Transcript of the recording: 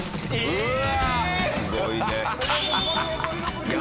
うわ。